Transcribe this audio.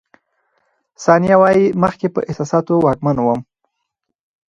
ثانیه وايي، مخکې په احساساتو واکمن وم.